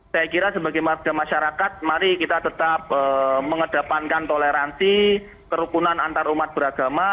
saya kira sebagai masyarakat mari kita tetap mengedapankan toleransi kerukunan antar umat beragama